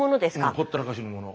ほったらかしのもの。